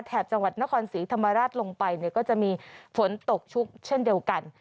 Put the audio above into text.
จังหวัดนครศรีธรรมราชลงไปเนี่ยก็จะมีฝนตกชุกเช่นเดียวกัน